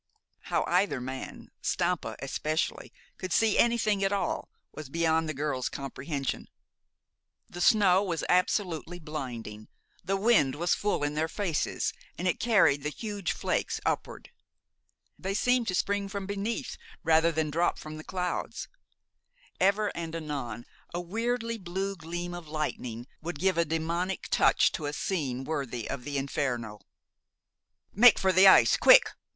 How either man, Stampa especially, could see anything at all, was beyond the girl's comprehension. The snow was absolutely blinding. The wind was full in their faces, and it carried the huge flakes upward. They seemed to spring from beneath rather than drop from the clouds. Ever and anon a weirdly blue gleam of lightning would give a demoniac touch to a scene worthy of the Inferno. "Make for the ice quick!"